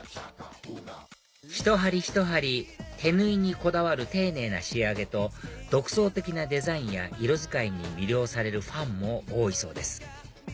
ひと針ひと針手縫いにこだわる丁寧な仕上げと独創的なデザインや色使いに魅了されるファンも多いそうです